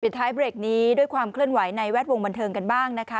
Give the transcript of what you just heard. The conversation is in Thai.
ท้ายเบรกนี้ด้วยความเคลื่อนไหวในแวดวงบันเทิงกันบ้างนะคะ